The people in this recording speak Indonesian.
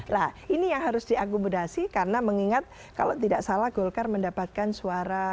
nah ini yang harus diakomodasi karena mengingat kalau tidak salah golkar mendapatkan suara